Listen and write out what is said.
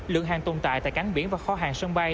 lượng hàng tồn tại tại cảng biển và kho hàng sân bay